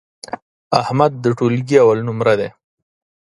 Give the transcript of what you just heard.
احمد د ټولگي اول نمره دی.